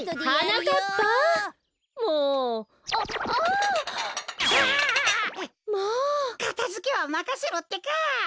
かたづけはまかせろってか！